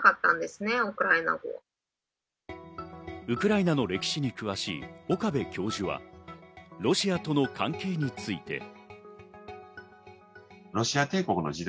ウクライナの歴史に詳しい岡部教授はロシアとの関係について。